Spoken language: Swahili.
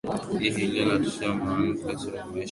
hii hali inatishia amani kabisa katika maisha yetu ya